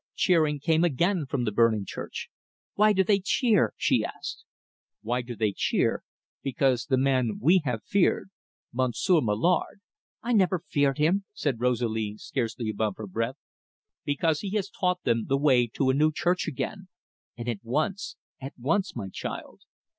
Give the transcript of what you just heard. Cheering came again from the burning church. "Why do they cheer?" she asked. "Why do they cheer? Because the man we have feared, Monsieur Mallard " "I never feared him," said Rosalie, scarcely above her breath. "Because he has taught them the way to a new church again and at once, at once, my child."